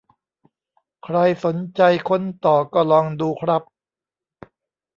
ใครสนใจค้นต่อก็ลองดูครับ